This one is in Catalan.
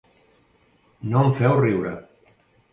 No em feu riure.